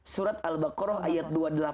surat al baqarah ayat dua ratus delapan puluh dua